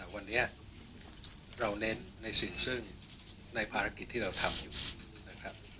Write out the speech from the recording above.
วันนี้เราเน้นในสิ่งซึ่งในภารกิจที่เราทำอยู่นะครับ